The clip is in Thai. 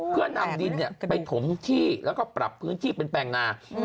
เพื่อนำดินไปถมที่แล้วก็ปรับพื้นที่เป็นแปลงนา